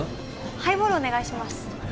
ハイボールお願いします